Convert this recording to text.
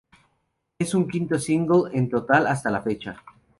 Es su quinto single en total hasta la fecha.